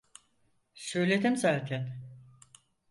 Söyledim zaten.